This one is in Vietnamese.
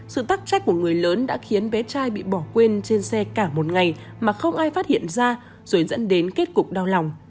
sự tắc trách của người lớn đã khiến bé trai bị bỏ quên trên xe cả một ngày mà không ai phát hiện ra rồi dẫn đến kết cục đau lòng